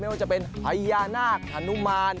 ไม่ว่าจะเป็นไฮยานาคฮานุมาน